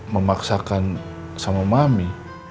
memaksakan sama mami